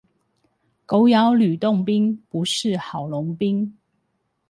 狗咬呂洞賓，不識郝龍斌